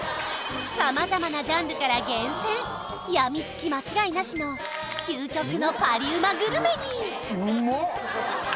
様々なジャンルから厳選やみつき間違いなしの究極のパリうまグルメにうまっ！